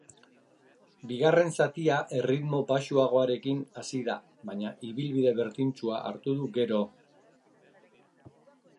Bigarren zatia erritmo baxuagorekin hasi da, baina ibilbide berdintsua hartu du gero.